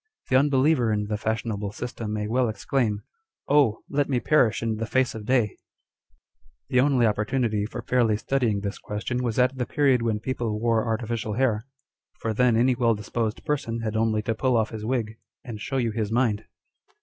The unbeliever in the fashionable system may well exclaim â€" Oil ! let me perish in the face of day ! The only opportunity for fairly studying this question was at the period when people wore artificial hair ; for then any well disposed person had only to pull off his wig, and show you his mind.